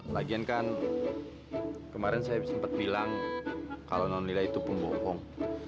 lagian kan kemarin saya sempat bilang kalau nonila itu pun bohong